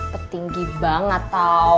petinggi bang atau